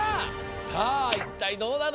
さあいったいどうなる？